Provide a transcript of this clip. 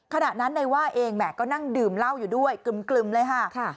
ขณะนั้นนายว่าเองแหมก็นั่งดื่มเหล้าอยู่ด้วยกลึ่มเลยค่ะ